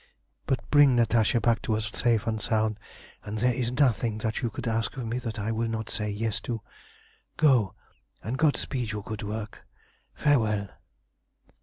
But bring Natasha back to us safe and sound, and there is nothing that you can ask of me that I will not say 'yes' to. Go, and God speed your good work. Farewell!"